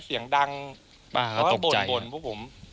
เสียงดังแล้วก็บ่นพวกผม